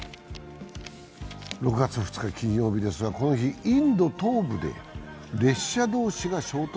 ６月２日金曜日ですが、この日インド東部で列車同士が衝突。